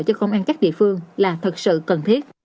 cho công an các địa phương là thật sự cần thiết